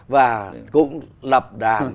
và cũng lập đàn